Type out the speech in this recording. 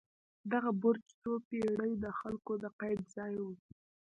دغه برج څو پېړۍ د خلکو د قید ځای و.